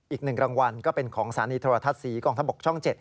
อีก๑รางวัลก็เป็นของสถานีโทรทัศน์ศรีกองทัพบกช่อง๗